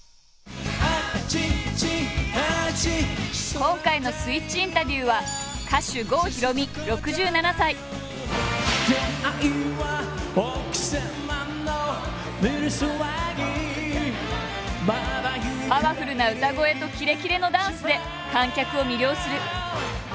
今回の「スイッチインタビュー」はパワフルな歌声とキレキレのダンスで観客を魅了する。